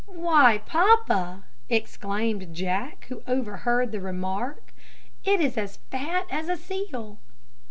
"Why, papa!" exclaimed Jack, who overheard the remark, "it is as fat as a seal."